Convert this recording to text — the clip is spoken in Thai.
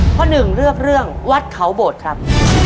ข้อหนึ่งเลือกเรื่องวัดเขาโบดครับ